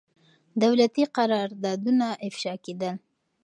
دولتي قراردادونه افشا کېدل.